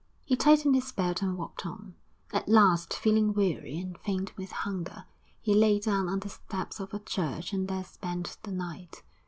He tightened his belt and walked on. At last, feeling weary and faint with hunger, he lay down on the steps of a church and there spent the night.